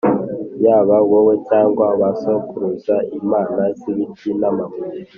yaba wowe cyangwa ba sokuruza, imana z’ibiti n’amabuye